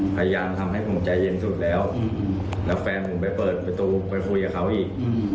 พยายามทำให้ผมใจเย็นสุดแล้วแล้วแฟนผมไปเปิดประตูไปคุยกับเขาอีก